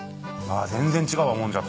全然違うわもんじゃと。